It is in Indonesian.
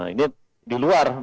ini di luar